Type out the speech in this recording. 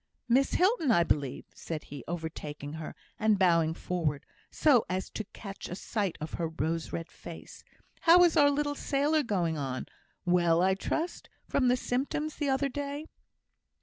"Miss Hilton, I believe," said he, overtaking her, and bowing forward, so as to catch a sight of her rose red face. "How is our little sailor going on? Well, I trust, from the symptoms the other day."